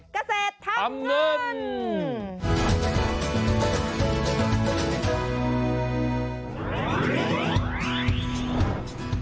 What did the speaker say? กระเศษทางเงินกระเศษทางเงิน